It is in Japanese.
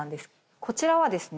こちらはですね